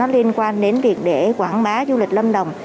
liên quan đến việc để quảng bá du lịch lâm đồng